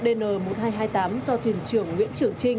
dn một nghìn hai trăm hai mươi tám do thuyền trưởng nguyễn trường trinh